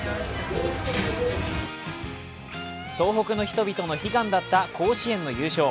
東北の人々の悲願だった甲子園の優勝。